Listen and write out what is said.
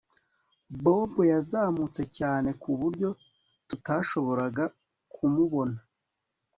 Bobo yazamutse cyane ku buryo tutashoboraga kumubona